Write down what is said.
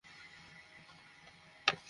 তোমাকে মার্ক বলতে পারি?